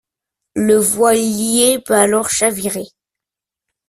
Le voilier peut alors chavirer.